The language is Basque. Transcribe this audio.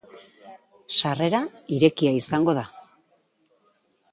Sarrera irekia izango da.